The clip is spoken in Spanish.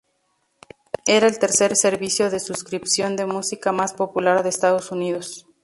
Era el tercer servicio de suscripción de música más popular de Estados Unidos.